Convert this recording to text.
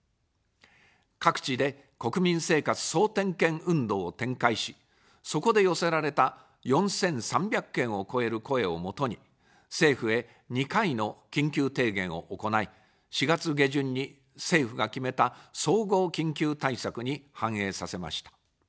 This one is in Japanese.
各地で国民生活総点検運動を展開し、そこで寄せられた４３００件を超える声をもとに、政府へ２回の緊急提言を行い、４月下旬に政府が決めた総合緊急対策に反映させました。